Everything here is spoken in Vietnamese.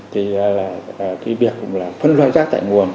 thì việc phân loại rác thải nguồn